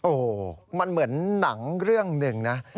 โอ้โหมันเหมือนหนังเรื่องหนึ่งนะ